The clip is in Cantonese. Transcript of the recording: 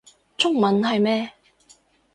中文係咩